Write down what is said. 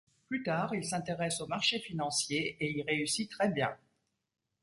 Plus tard, il s’intéresse aux marchés financiers et y réussit très bien.